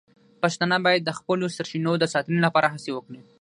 پښتانه باید د خپلو سرچینو د ساتنې لپاره هڅې وکړي.